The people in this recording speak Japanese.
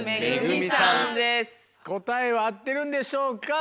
答えは合ってるんでしょうか？